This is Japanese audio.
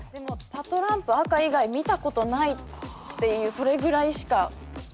パトランプ赤以外見たことないっていうそれぐらいしか。